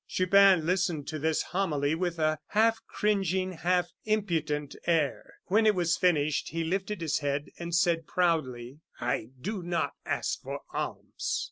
Chupin listened to this homily with a half cringing, half impudent air; when it was finished he lifted his head, and said, proudly: "I do not ask for alms."